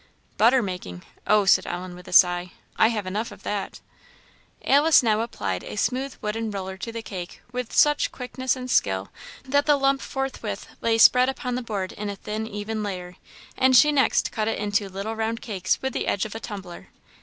"Butter making! Oh," said Ellen, with a sigh, "I have enough of that!" Alice now applied a smooth wooden roller to the cake with such quickness and skill, that the lump forthwith lay spread upon the board in a thin even layer, and she next cut it into little round cakes with the edge of a tumbler.